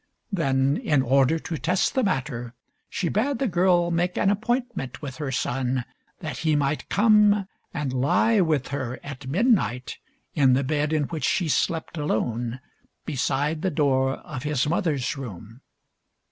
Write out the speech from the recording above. Then, in order to test the matter, she bade the girl make an appointment with her son that he might come and lie with her at midnight, in the bed in which she slept alone, beside the door of his mother's room.